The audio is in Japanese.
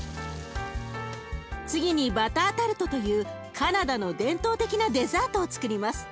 次にバタータルトというカナダの伝統的なデザートをつくります。